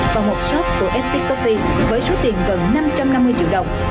vào một shop của stcoffee với số tiền gần năm trăm năm mươi triệu đồng